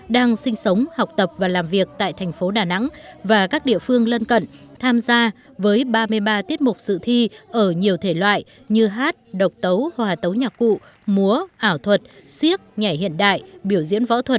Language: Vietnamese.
đang sinh sống học tập và làm việc tại thành phố đà nẵng và các địa phương lân cận tham gia với ba mươi ba tiết mục sự thi ở nhiều thể loại như hát độc tấu hòa tấu nhạc cụ múa ảo thuật siếc nhả hiện đại biểu diễn võ thuật